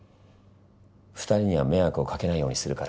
２人には迷惑をかけないようにするから。